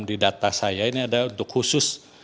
di data saya ini ada untuk khusus